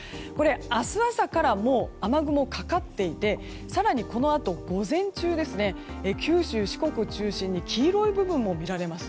明日朝から雨雲がかかっていて更にこのあと、午前中九州・四国中心に黄色い部分も見られます。